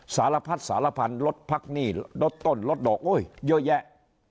สารพัดสารพันธุ์ลดพักหนี้ลดต้นลดดอกโอ้ยเยอะแยะ